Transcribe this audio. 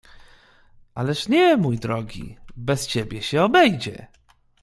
"Ależ nie, mój drogi, bez ciebie się obejdzie."